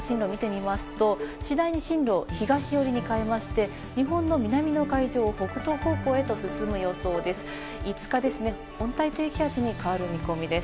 さらにこの後の進路を見てみますと、次第に進路を東寄りに変えまして、日本の南の海上を北東方向へと進む予想です。